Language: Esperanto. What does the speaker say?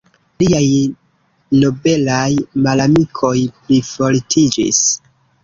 Liaj nobelaj malamikoj plifortiĝis.